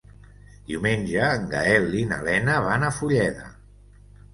Diumenge en Gaël i na Lena van a Fulleda.